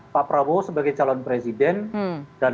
pak prabowo sebagai calon presiden dan